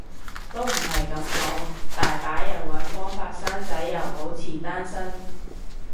都唔係噉講，大把人搵方法生仔又保持單身